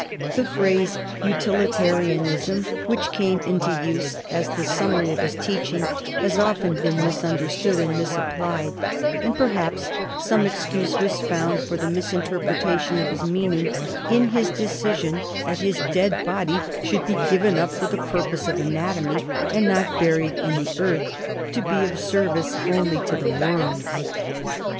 The phrase utilitarianism, which came into use as the summary of his teaching, has often been misunderstood and misapplied, and perhaps some excuse was found for the misinterpretation of his meaning in his decision that his dead body should be given up for the purpose of anatomy and not buried in earth to be of service only to the worms.